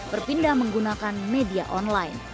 berpindah menggunakan media online